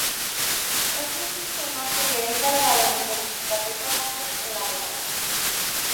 Este sistema sería el encargado de codificar la información en la memoria.